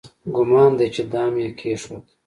ګومان دی چې دام یې کېښود.